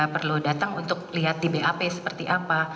perlu datang untuk lihat di bap seperti apa